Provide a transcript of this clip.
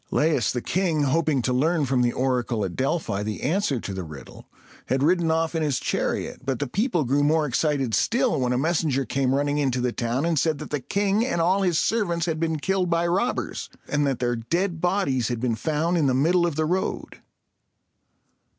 Laius, the king, hoping to learn from the oracle at Delphi the answer to the riddle, had ridden off in his chariot; but the people grew more excited still, when a messenger came running into the town, and said that the king and all his servants had been killed by robbers, and that their dead bodies had been found in the middle of the road.